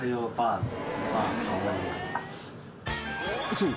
そう。